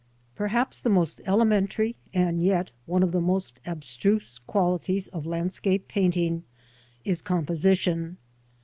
PERHAPS the most elementary and yet one of the most abstruse qualities of landscape painting is composition.